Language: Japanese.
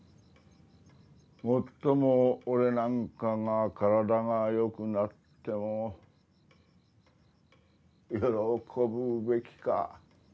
もっとも俺なんかが身体が良くなっても喜ぶべきか。